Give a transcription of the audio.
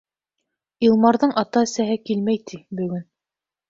Илмарҙың ата-әсәһе килмәй, ти, бөгөн.